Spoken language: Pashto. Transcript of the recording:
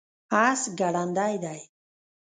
اس ګړندی دی